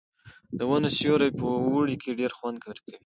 د ونو سیوری په اوړي کې ډېر خوند ورکوي.